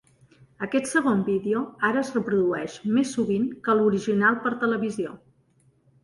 Aquest segon vídeo ara es reprodueix més sovint que l'original per televisió.